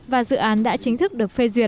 và dự án đã chính thức được phê duyên